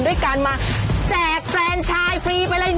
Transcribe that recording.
ด้วยการมาแจกแฟนชายฟรีไปเลย